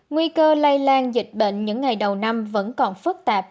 nguy cơ lây lan dịch bệnh những ngày đầu năm vẫn còn phức tạp